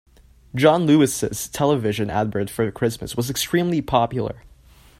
John Lewis’s television advert for Christmas was extremely popular